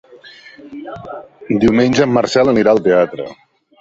Diumenge en Marcel anirà al teatre.